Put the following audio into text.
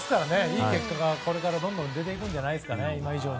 いい結果がこれからどんどん出てくるんじゃないですかね。